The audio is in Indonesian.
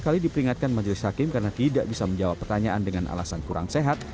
kali diperingatkan majelis hakim karena tidak bisa menjawab pertanyaan dengan alasan kurang sehat